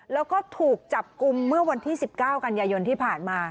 แล้วก็ถูกจับกลุ่มเมื่อวันที่๑๙กันยายนที่ผ่านมา